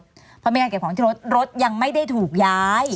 เพราะมีการเก็บของที่รถรถยังไม่ได้ถูกย้าย